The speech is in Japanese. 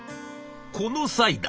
「この際だ